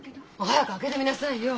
早く開けてみなさいよ！